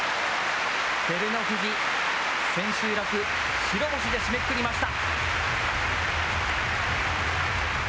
照ノ富士、千秋楽白星で締めくくりました。